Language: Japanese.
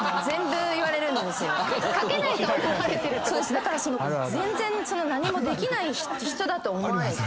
だから全然何もできない人だと思われて。